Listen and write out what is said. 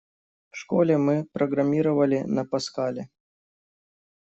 В школе мы программировали на Паскале.